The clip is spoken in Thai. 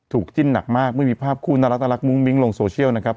จิ้นหนักมากเมื่อมีภาพคู่น่ารักมุ้งมิ้งลงโซเชียลนะครับ